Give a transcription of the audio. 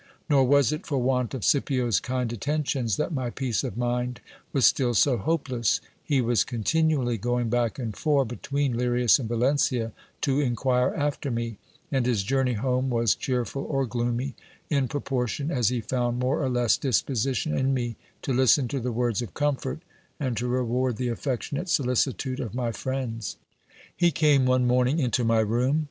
Nor was it for want of Scipio's kind attentions that my peace of mind was still so hopeless : he was continually going back and fore between Lirias and Valencia to inquire after me ; and his journey home was cheerful or gloomy, in proportion as he found more or less disposition in me to listen to the words of comfort, and to reward the affectionate solicitude of my friends. He came one morning into my room.